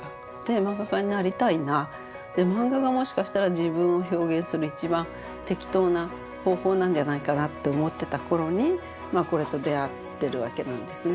マンガ家になりたいなでマンガがもしかしたら自分を表現する一番適当な方法なんじゃないかなって思ってた頃にこれと出会ってるわけなんですね。